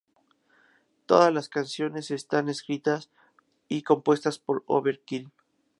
Todas las canciones están escritas y compuestas por Overkill.